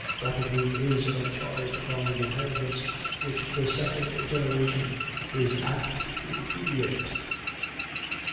Gratitude is a charge upon the inheritance which the second generation is apt to repudiate.